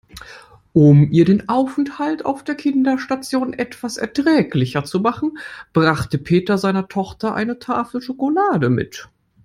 Um ihr den Aufenthalt auf der Kinderstation etwas erträglicher zu machen, brachte Peter seiner Tochter eine Tafel Schokolade mit.